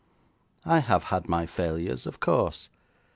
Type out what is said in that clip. I have had my failures, of course.